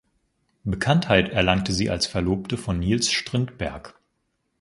Bekanntheit erlangte sie als Verlobte von Nils Strindberg.